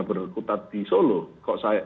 berkutat di solo kok saya